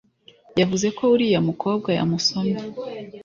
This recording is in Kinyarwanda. Yavuze ko uriya mukobwa yamusomye